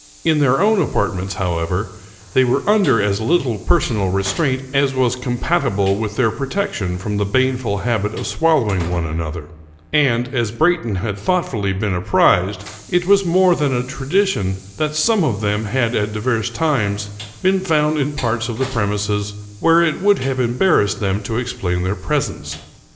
In their own apartments, how ever, they were under as little personal restraint as was compatible with their protection from the baneful habit of swallowing one another ; and, as Brayton had thoughtfully been apprised, it was more than a tradition that some of them had at divers times been found in parts of the premises where it would have embarrassed them to explain their presence.